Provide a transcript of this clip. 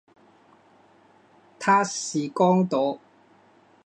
他是刚铎。